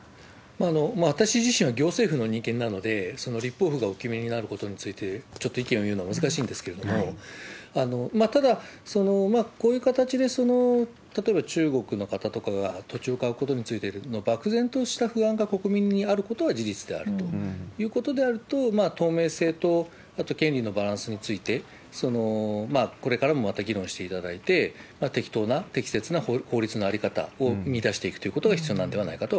私自身は行政府の人間なので、立法府がお決めになることについて、ちょっと意見を言うのは難しいんですけれども、ただ、こういう形で、例えば中国の方とかが土地を買うことについての漠然とした不安が国民にあることは自身であるということであると、透明性と、あと権利のバランスについて、これからもまた議論していただいて、適当な、適切な法律の在り方を見いだしていくということが必要なんなるほど。